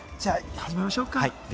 始めましょうか。